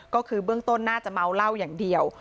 ก็คือเบื้องต้นน่าจะเมาเหล้าอย่างเดียว